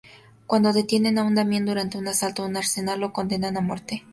Cuando detienen a Damien durante un asalto a un arsenal, lo condenan a muerte.